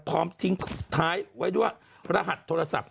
พร้อมทิ้งท้ายไว้ด้วยรหัสโทรศัพท์